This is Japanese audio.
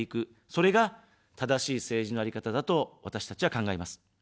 それが正しい政治のあり方だと、私たちは考えます。